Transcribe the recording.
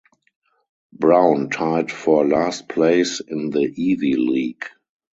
Brown tied for last place in the Ivy League.